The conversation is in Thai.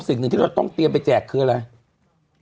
สิ่งหนึ่งที่เราต้องเตรียมไปแจกคืออะไร